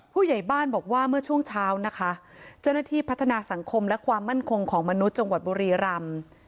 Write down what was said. ผู้ใหญ่บ้านบอกว่าเมื่อช่วงเช้านะคะเจ้าหน้าที่พัฒนาสังคมและความมั่นคงของมนุษย์จังหวัดบุรีรำ